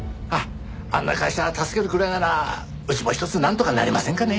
あんな会社助けるくらいならうちもひとつなんとかなりませんかね？